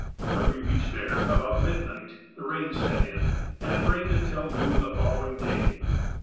When we reached there, about midnight, the rain set in and it rained until noon the following day.